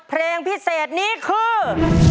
เพลงพิเศษนี้คือ